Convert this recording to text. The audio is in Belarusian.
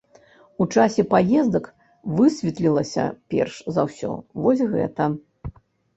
У часе паездак высветлілася перш за ўсё вось гэта.